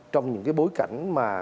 trong những cái bối cảnh mà